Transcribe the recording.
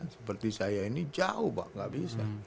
seperti saya ini jauh pak nggak bisa